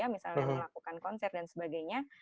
misalnya melakukan konser dan sebagainya